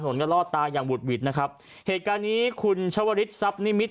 ถนนก็ลอดตายังหวุดหวิดนะครับเหตุการณ์นี้คุณชวริสัพนิมิตร